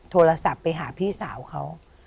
โทรศัพท์ไปหาพี่สาวเขา